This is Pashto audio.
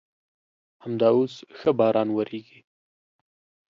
همدا اوس ښه باران ورېږي.